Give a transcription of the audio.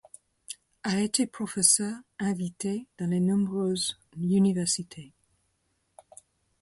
A été professeur invité dans de nombreuses universités.